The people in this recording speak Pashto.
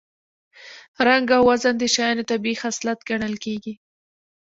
رنګ او وزن د شیانو طبیعي خصلت ګڼل کېږي